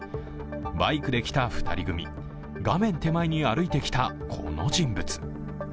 バイクで来た２人組、画面手前に歩いてきたこの人物。